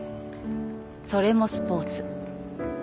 それもスポーツ。